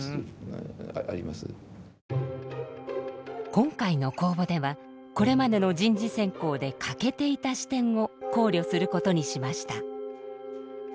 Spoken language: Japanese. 今回の公募ではこれまでの人事選考で欠けていた視点を考慮することにしました。